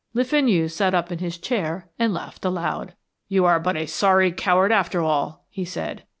Le Fenu sat up in his chair and laughed aloud. "You are but a sorry coward after all," he said.